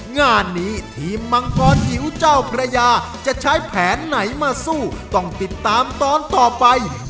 งานนี้ทีมมังกรจิ๋วเจ้าพระยาจะใช้แผนไหนมาสู้ต้องติดตามตอนต่อไป